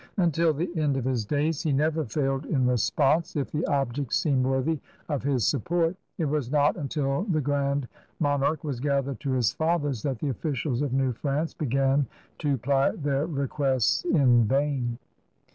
Until the end of his days, he never failed in re sponse if the object seemed worthy of his support. It was not until the Grand Monarch was gathered to his fathers that the officials of New France began to ply their requests in vain.